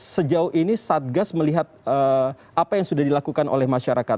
sejauh ini satgas melihat apa yang sudah dilakukan oleh masyarakat